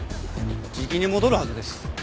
じきに戻るはずです。